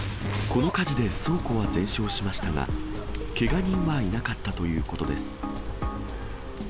この火事で倉庫は全焼しましたが、けが人はいなかったということです。